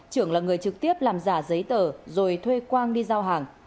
trưởng là người trực tiếp làm giả giấy tờ rồi thuê quang đi giao hàng